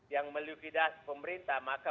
yang meligudasi pemerintah maka